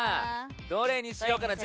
どれにしようかな。